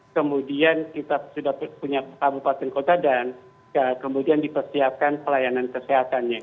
kemudian kita sudah punya kabupaten kota dan kemudian dipersiapkan pelayanan kesehatannya